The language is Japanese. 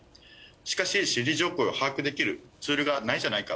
しかし心理状況を把握できるツールがないじゃないか。